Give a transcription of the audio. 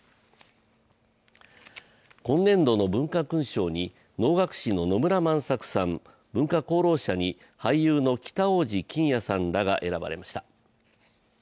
今年度の文化勲章に能楽師の野村万作さん、文化功労者に俳優の北大路欣也さんらが選ばれました。